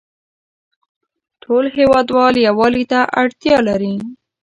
ټول هیوادوال یووالې ته اړتیا لری